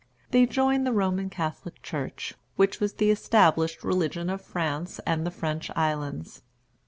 They joined the Roman Catholic Church, which was the established religion of France and the French islands.